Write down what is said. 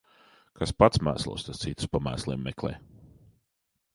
Kas pats mēslos, tas citus pa mēsliem meklē.